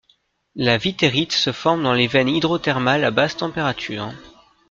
La withérite se forme dans les veines hydrothermales à basse température.